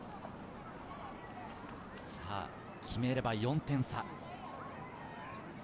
決めれば４点差。